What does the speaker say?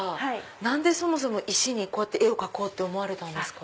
何でそもそも石に絵を描こうと思われたんですか？